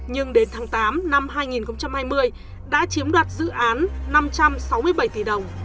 nhưng đến tháng tám năm hai nghìn hai mươi đã chiếm đoạt dự án năm trăm sáu mươi bảy tỷ đồng